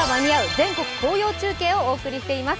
全国紅葉中継」をお送りしています。